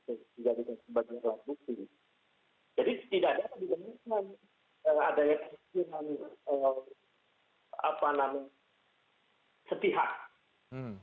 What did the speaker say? jadi tidak dapat dikenakan adanya kegensian setihat